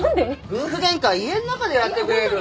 夫婦喧嘩は家の中でやってくれる！？